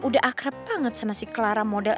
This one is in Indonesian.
udah akrab banget sama si clara model